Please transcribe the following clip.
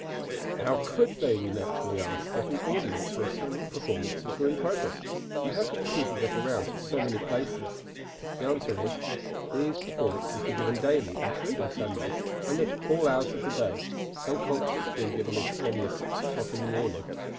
How could they, we naturally ask, get an audience, when so many performances were in progress, and how could the people get around to so many places? The answer is: these performances were given daily, including Sunday, and at all hours of the day, some concerts being given as early as six o'clock in the morning.